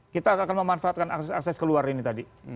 kita akan memanfaatkan akses akses keluar ini tadi